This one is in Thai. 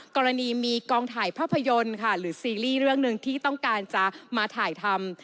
กรณีมีกองถ่ายภาพยนตร์ค่ะหรือซีรีส์เรื่องหนึ่งที่ต้องการจะมาถ่ายทำ